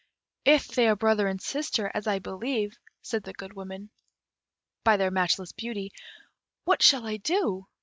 "If they are brother and sister, as I believe," said the Good Woman, "by their matchless beauty, what shall I do?